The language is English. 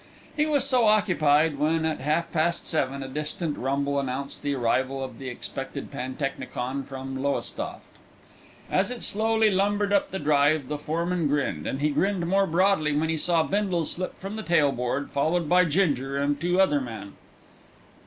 He was so occupied when, at half past seven, a distant rumble announced the arrival of the expected pantechnicon from Lowestoft. As it slowly lumbered up the drive the foreman grinned, and he grinned more broadly when he saw Bindle slip from the tail board, followed by Ginger and two other men.